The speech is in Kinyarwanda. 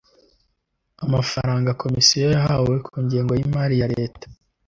Amafaranga Komisiyo yahawe ku ngengo y imari ya Leta